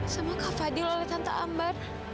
sama kak fadil oleh tante ambar